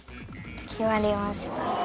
決まりました。